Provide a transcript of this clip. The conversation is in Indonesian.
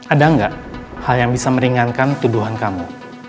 ada nggak hal yang bisa meringankan tuduhan kamu